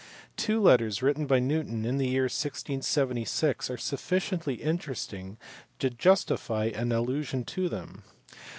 Two letters written by Newton in the year 1676 are sufficiently interesting to justify an allusion to them.